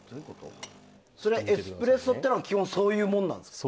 それはエスプレッソというのは基本、そういうものなんですか。